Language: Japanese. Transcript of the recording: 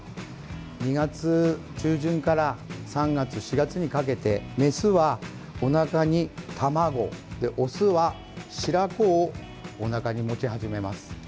２月中旬から３月４月にかけてメスはおなかに卵オスは白子をおなかに持ち始めます。